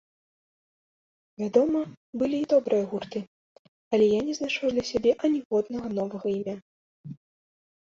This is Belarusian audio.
Вядома, былі і добрыя гурты, але я не знайшоў для сябе аніводнага новага імя.